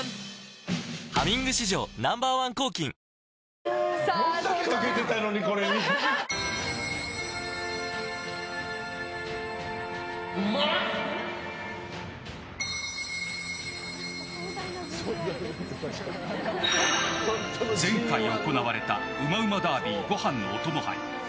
「ハミング」史上Ｎｏ．１抗菌前回行われたうまうまダービーご飯のお供杯。